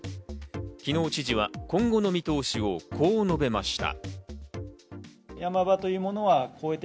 昨日、知事は今後の見通しをこう述べました。